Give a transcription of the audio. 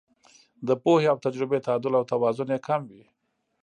د پوهې او تجربې تعدل او توازن یې کم وي.